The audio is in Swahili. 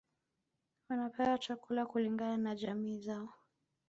Wanapewa chakula kulingana na jamii zao